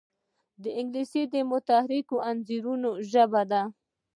انګلیسي د متحرکو انځورونو ژبه ده